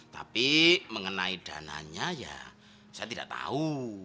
tapi mengenai dananya ya saya tidak tahu